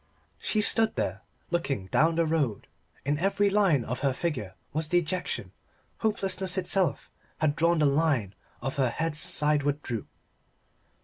She stood there looking down the road; in every line of her figure was dejection; hopelessness itself had drawn the line of her head's sideward droop.